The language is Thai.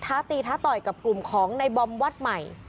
ท้าตีท้าต่อยกับกลุ่มของในบอมวัดใหม่